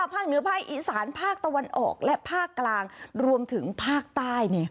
ภาคเหนือภาคอีสานภาคตะวันออกและภาคกลางรวมถึงภาคใต้